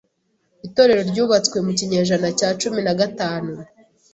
Itorero ryubatswe mu kinyejana cya cumi na gatanu.